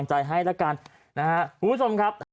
งานเข้านะคะ